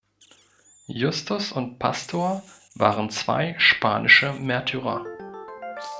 Justus und Pastor waren zwei spanische Märtyrer.